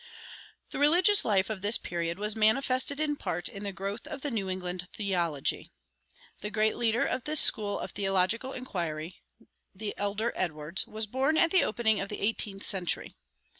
The religious life of this period was manifested in part in the growth of the New England theology. The great leader of this school of theological inquiry, the elder Edwards, was born at the opening of the eighteenth century.